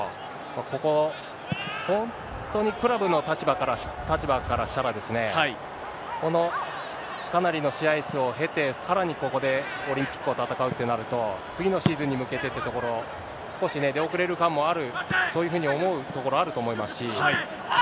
ここ、本当にクラブの立場からしたら、このかなりの試合数を経て、さらにここでオリンピックを戦うってなると、次のシーズンに向けてってところ、少し出遅れる感もある、そういうふうに思うところあると思います